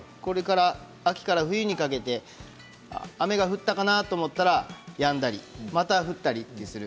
秋から冬にかけて雨が降ったかなと思ったらやんだりまた降ったりする。